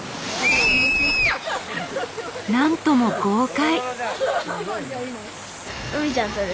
なんとも豪快。